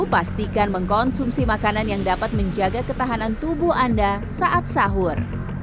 pastikan mengkonsumsi makanan yang dapat menjaga ketahanan tubuh anda saat sahur